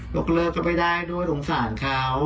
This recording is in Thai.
กเลิกก็ไม่ได้ด้วยสงสารเขา